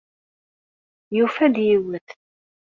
Yufa-d yiwet.